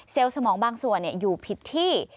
สมองบางส่วนอยู่ผิดที่